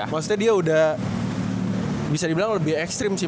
maksudnya dia udah bisa dibilang lebih ekstrim sih